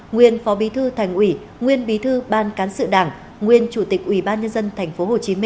nguyên phó bí thư thành ủy nguyên bí thư ban cán sự đảng nguyên chủ tịch ubnd tp hcm